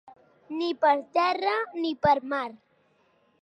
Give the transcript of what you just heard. Ni per terra ni per mar.